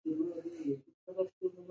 هغه هغې ته په درناوي د سهار کیسه هم وکړه.